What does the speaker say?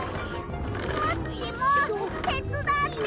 コッチもてつだってよ！